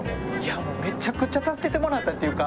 めちゃくちゃ助けてもらったっていうか。